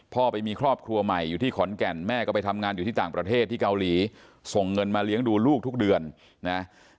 พ่อไปมีครอบครัวใหม่อยู่ที่ขอนแก่นแม่ก็ไปทำงานอยู่ที่ต่างประเทศที่เกาหลีส่งเงินมาเลี้ยงดูลูกทุกเดือนนะ